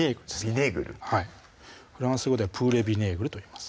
ヴィネーグルフランス語ではプーレヴィネーグルといいます